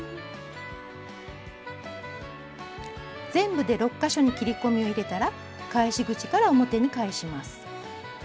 全部で６か所に切り込みを入れたら返し口から表に返します。